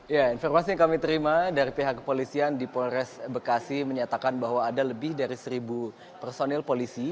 ya informasi yang kami terima dari pihak kepolisian di polres bekasi menyatakan bahwa ada lebih dari seribu personil polisi